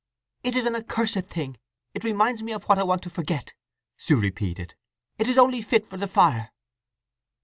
"It is an accursed thing—it reminds me of what I want to forget!" Sue repeated. "It is only fit for the fire."